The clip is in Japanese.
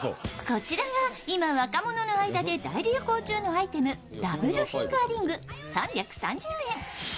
こちらが今、若者の間で大流行中のアイテムダブルフィンガーリング、３３０円。